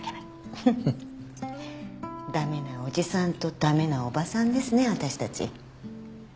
駄目なおじさんと駄目なおばさんですね私たち。